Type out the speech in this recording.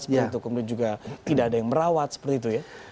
seperti itu kemudian juga tidak ada yang merawat seperti itu ya